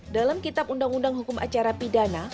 dalam kitab undang undang hukum acara pidana